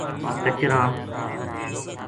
کچراں